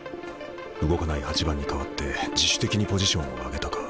動かない８番に代わって自主的にポジションを上げたか。